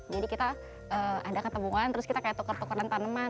jadi kita ada ketemuan terus kita kayak tukar tukaran tanaman